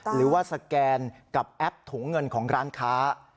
หรือว่าสแกนกับแอปถุงเงินของร้านค้า